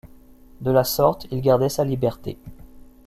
De la sorte, il gardait sa liberté.